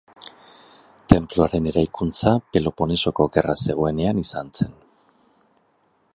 Tenpluaren eraikuntza Peloponesoko Gerra zegoenean izan zen.